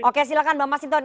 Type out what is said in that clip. oke silahkan bang masineng